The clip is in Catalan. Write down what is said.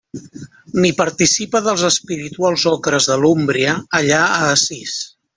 Ni participa dels espirituals ocres de l'Úmbria allà a Assís.